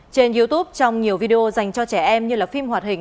trên youtube trong nhiều video dành cho trẻ em như là phim hoạt hình